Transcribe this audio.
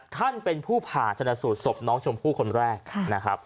ท่านเป็นผู้ผ่านชนสูตรศพน้องชมพู่คนแรก